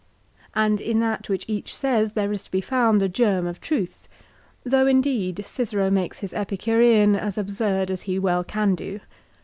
And in that which each says there is to be found a germ of truth ; though indeed Cicero makes his Epicurean as absurd as he well can do.